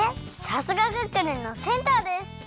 さすがクックルンのセンターです！